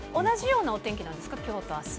同じようなお天気なんですか？